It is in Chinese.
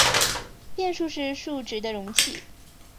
变数是数值的容器。